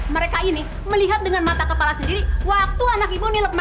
mereka ini melihat dengan mata kepala sendiri waktu anak ibu ini lemah